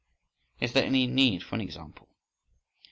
—Is there any need for an example?